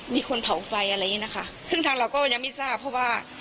มีคนเผาไฟอะไรอย่างนี้นะคะซึ่งทางเราก็ยังไม่ทราบเพราะว่า